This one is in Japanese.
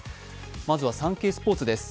まずは「サンケイスポーツ」です。